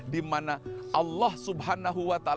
dimana allah swt